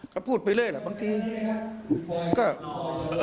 เขาพูดไปเลยบางทีก็ก็